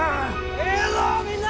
ええぞみんな！